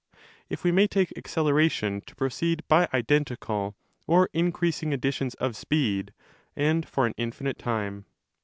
6 289° if we may take acceleration to proceed by identical or in creasing additions of speed and for an infinite time.